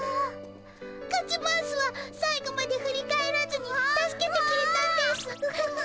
カズマウスは最後まで振り返らずに助けてくれたんですぅ。